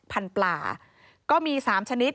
ปลาก็มี๓ชนิด